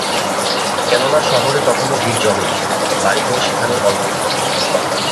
কেননা শহরে তখনো ভিড় জমে নি, বাড়িঘর সেখানে অল্পই।